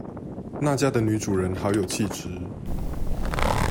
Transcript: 那家的女主人好有氣質